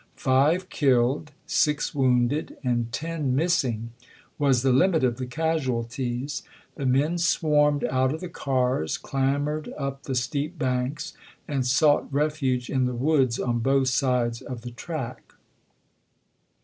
Five killed, six wounded, and ten missing was the limit of the casualties; the men swarmed out of the cars, clambered up the steep banks, and sought refuge in the woods on both sides of the track.